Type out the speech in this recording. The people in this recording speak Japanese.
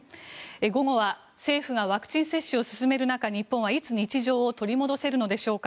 午後は政府がワクチン接種を進める中日本はいつ日常を取り戻せるのでしょうか。